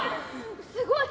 すごい！